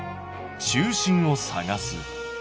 「中心を探す」。